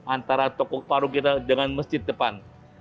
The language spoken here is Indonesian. antara toko paru kita dengan masjid depan